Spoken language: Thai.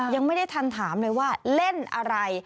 ยังไม่ได้ทันถามเลยว่าเล่นอะไร